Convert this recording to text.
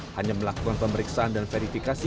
hanya melakukan pemeriksaan dan verifikasi